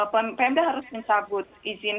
pemerintah harus mencabut izin